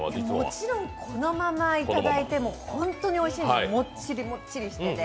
もちろんこのままいただいても本当においしいんです、もっちりもっちりしてて。